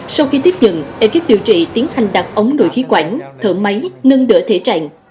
sau khi tiếp nhận ekip điều trị tiến hành đặt ống nội khí quản thở máy ngân đỡ thể trạng